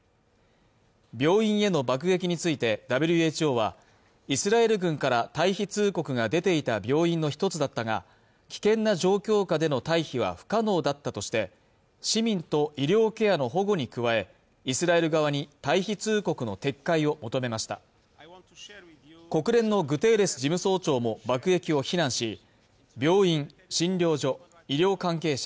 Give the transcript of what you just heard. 病院への爆撃についてＷＨＯはイスラエル軍から退避通告が出ていた病院の一つだったが危険な状況下での退避は不可能だったとして市民と医療ケアの保護に加えイスラエル側に退避通告の撤回を求めました国連のグテーレス事務総長も爆撃を非難し病院、診療所、医療関係者